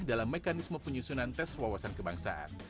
dalam mekanisme penyusunan tes wawasan kebangsaan